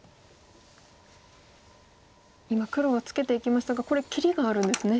今黒がツケていきましたがこれ切りがあるんですね。